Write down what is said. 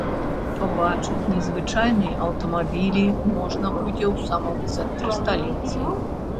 Пабачыць незвычайныя аўтамабілі можна будзе ў самым цэнтры сталіцы.